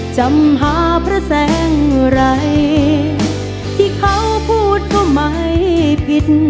จำหาพระแสงไรที่เขาพูดก็ไม่ผิด